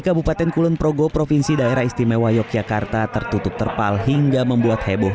kabupaten kulon progo provinsi daerah istimewa yogyakarta tertutup terpal hingga membuat heboh